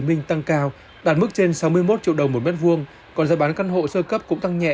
minh tăng cao đạt mức trên sáu mươi một triệu đồng một mét vuông còn giá bán căn hộ sơ cấp cũng tăng nhẹ